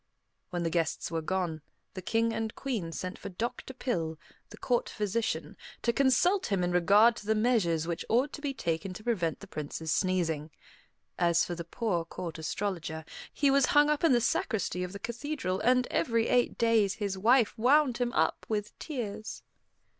When the guests were gone, the King and Queen sent for Doctor Pill, the court physician, to consult him in regard to the measures which ought to be taken to prevent the Prince's sneezing. As for the poor Court Astrologer, he was hung up in the sacristy of the cathedral, and every eight days his wife wound him up, with tears.